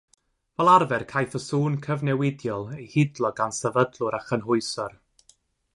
Fel arfer caiff y sŵn cyfnewidiol ei hidlo gan sefydlwr a chynhwysor.